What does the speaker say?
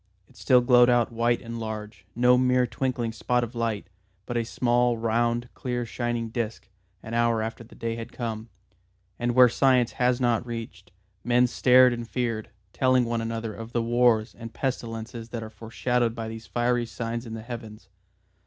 It still glowed out white and large, no mere twinkling spot of light, but a small round clear shining disc, an hour after the day had come. And where science has not reached, men stared and feared, telling one another of the wars and pestilences that are foreshadowed by these fiery signs in the Heavens.